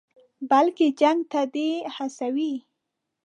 بلکې جنګ ته دې هڅوي.